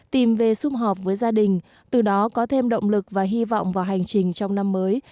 tìm về xung họp với gia đình từ đó có thêm động lực và hy vọng vào hành trình trong năm mới